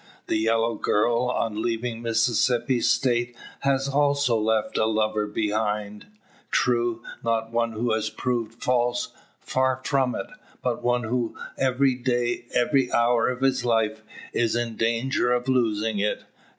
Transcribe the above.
The "yellow girl" on leaving Mississippi State has also left a lover behind. True, not one who has proved false far from it. But one who every day, every hour of his life, is in danger of losing it.